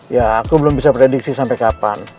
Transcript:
ya aku belum bisa prediksi sama kamu